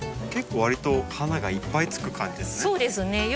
結構わりと花がいっぱいつく感じですね。